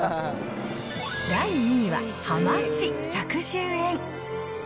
第２位ははまち１１０円。